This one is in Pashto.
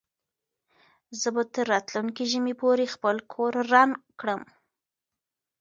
زه به تر راتلونکي ژمي پورې خپل کور رنګ کړم.